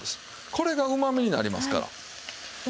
これがうまみになりますから。